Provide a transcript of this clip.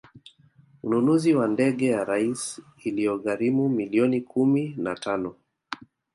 ununuzi wa ndege ya rais uliyoigharimu milioni kumi na tano